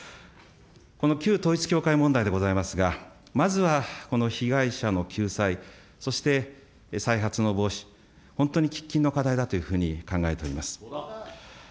この旧統一教会問題でございますが、まずはこの被害者の救済、そして再発の防止、本当に喫緊の課題だというふうに考えております。